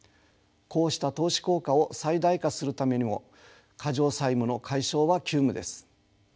こうした投資効果を最大化するためにも過剰債務の解消は急務です。